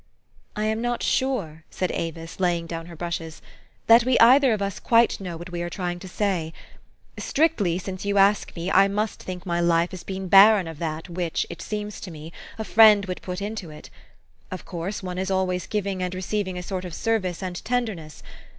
"" I am not sure," said Avis, laying down her brushes, " that we either of us quite know what we are trying to say. Strictly, since you ask me, I must think my life has been barren of that which, it seems to me, a friend would put into it. Of course, one is always giving and receiving a sort of service and tenderness.